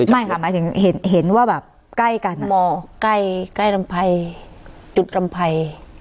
ไม่ค่ะหมายถึงเห็นเห็นว่าแบบใกล้กันหมอใกล้ใกล้ลำภัยจุดลำภัย